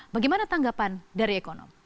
bagaimana tanggapan dari ekonomi